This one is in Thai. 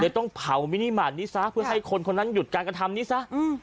ต้องเผามินิมาตรนี้ซะเพื่อให้คนคนนั้นหยุดการกระทำนี้ซะ